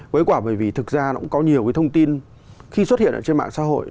với quả bởi vì thực ra nó cũng có nhiều cái thông tin khi xuất hiện ở trên mạng xã hội